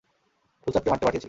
ফুলচাঁদকে মারতে পাঠিয়েছিলাম।